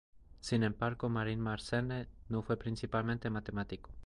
Sin embargo, Marin Mersenne no fue principalmente matemático.